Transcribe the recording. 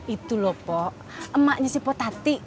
itu loh poh emaknya si poh tati